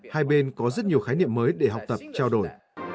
hai bên có rất nhiều khái niệm mới để học tập trao đổi